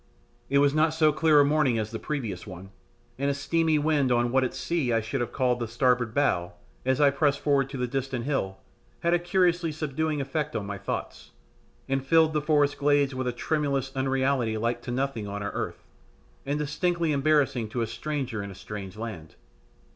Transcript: It was not so clear a morning as the previous one, and a steamy wind on what at sea I should have called the starboard bow, as I pressed forward to the distant hill, had a curiously subduing effect on my thoughts, and filled the forest glades with a tremulous unreality like to nothing on our earth, and distinctly embarrassing to a stranger in a strange land.